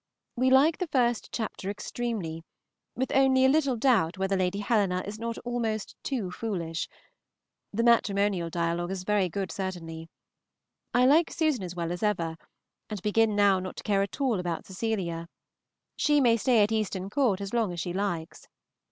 We like the first chapter extremely, with only a little doubt whether Lady Helena is not almost too foolish. The matrimonial dialogue is very good certainly. I like Susan as well as ever, and begin now not to care at all about Cecilia; she may stay at Easton Court as long as she likes.